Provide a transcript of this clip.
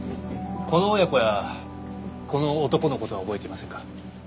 この親子やこの男の事は覚えていませんか？